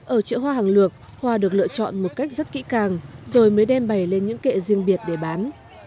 ở chợ hoa hàng lược hoa được lựa chọn một cách rất kỹ càng rồi mới đem bày lên những kệ riêng biệt để bán